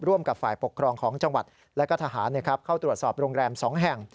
ร่วมกับฝ่ายปกครองของจังหวัดและก็ทหารเข้าตรวจสอบโรงแรม๒แห่ง